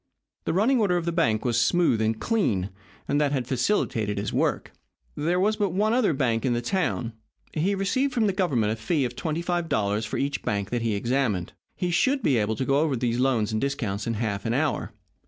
The running order of the bank was smooth and clean, and that had facilitated his work. There was but one other bank in the town. He received from the Government a fee of twenty five dollars for each bank that he examined. He should be able to go over those loans and discounts in half an hour.